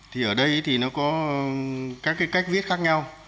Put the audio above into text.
thì ở đây thì nó có các cái cách viết khác nhau